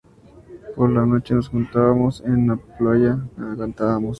Por la noche nos juntábamos en una playa y cantábamos